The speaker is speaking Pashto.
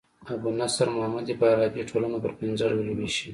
ابو نصر محمد فارابي ټولنه پر پنځه ډوله ويشي.